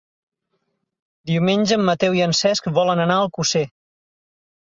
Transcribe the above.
Diumenge en Mateu i en Cesc volen anar a Alcosser.